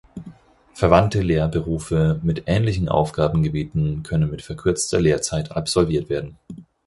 Verwandte Lehrberufe mit ähnlichen Aufgabengebieten können mit verkürzter Lehrzeit absolviert werden.